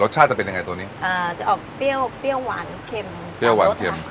จะเป็นยังไงตัวนี้จะออกเปรี้ยวเปรี้ยวหวานเค็มเปรี้ยวหวานเค็ม